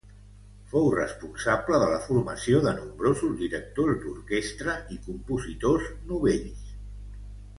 Fou responsable de la formació de nombrosos directors d'orquestra i compositors novells.